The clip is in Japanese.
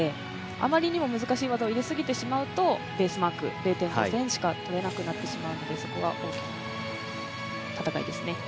あまりにも難しい技を入れすぎるとベースマーク０．８しか取れなくなってしまうのでそこは大きな戦いですね。